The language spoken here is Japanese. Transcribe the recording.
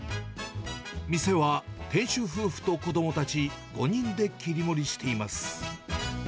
店は店主夫婦と子どもたち、５人で切り盛りしています。